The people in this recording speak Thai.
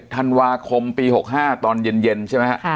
ธันวาคมปี๖๕ตอนเย็นใช่ไหมฮะ